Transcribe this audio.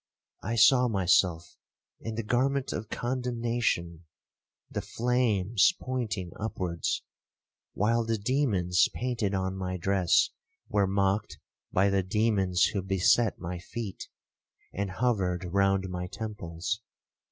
I saw myself in the garment of condemnation, the flames pointing upwards, while the demons painted on my dress were mocked by the demons who beset my feet, and hovered round my temples.